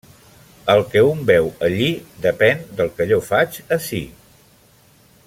El que un veu allí depèn del que jo faig ací.